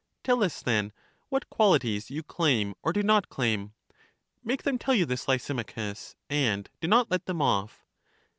Tell us then, what qualities you claim or do not claim. Make them tell you this, Lysimachus, and do not let them off.